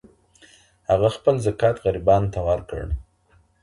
هغه خپل زکات غریبانو ته ورکړ.